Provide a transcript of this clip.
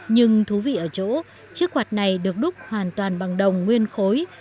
nhưng thú vị ở chỗ chiếc quạt này được đúc hoàn toàn bằng đồng nguyên khối